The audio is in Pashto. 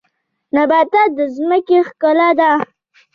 نباتات د ځمکې ښکلا ده